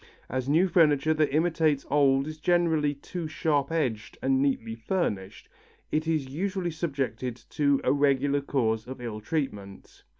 As new furniture that imitates old is generally too sharp edged and neatly finished, it is usually subjected to a regular course of ill treatment.